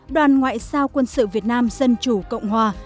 đoàn ngoại giao quân sự việt nam dân chủ cộng hòa